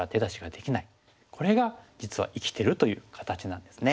これが実は生きてるという形なんですね。